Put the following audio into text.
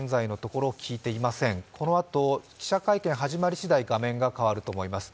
このあと記者会見始まり次第画面が始まると思います。